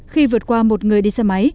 khi vượt qua một người đi xe máy